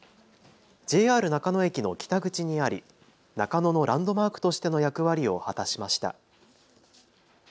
ＪＲ中野駅の北口にあり中野のランドマークとしての役割を果たしました。